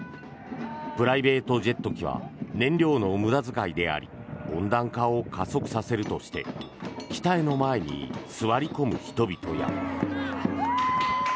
プライベートジェット機は燃料の無駄遣いであり温暖化を加速させるとして機体の前に座り込む人々や。